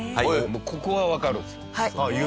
ここはわかるんですよ。